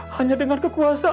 hanya dengan kekuasaanmu